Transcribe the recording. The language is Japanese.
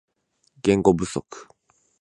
言語不足